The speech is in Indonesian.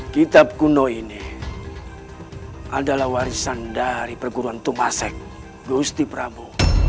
kitab kuno ini adalah warisan dari perguruan tumasek gusti prabu